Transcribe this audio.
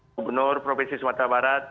gobernur provinsi sumatera barat